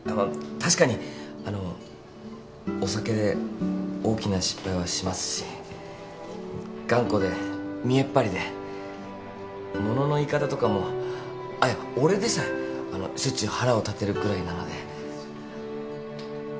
確かにあのお酒で大きな失敗はしますし頑固で見えっ張りで物の言い方とかもあっいや俺でさえあのしょっちゅう腹を立てるぐらいなので。